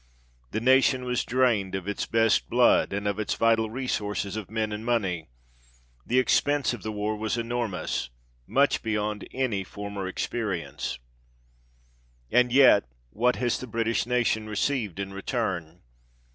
The nation was drained of its best blood, and of its vital resources of men and money. The expense of the war was enormous — much beyond any former experience. And yet, what has the British nation received in return?